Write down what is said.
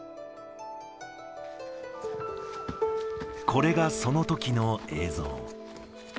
これがそのときの映像。